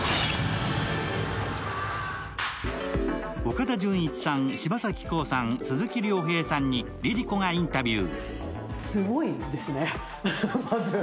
岡田准一さん、柴咲コウさん、鈴木亮平さんにＬｉＬｉＣｏがインタビュー。